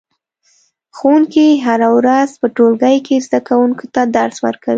ښوونکی هره ورځ په ټولګي کې زده کوونکو ته درس ورکوي